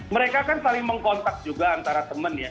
mereka kan saling mengkontak juga antara teman ya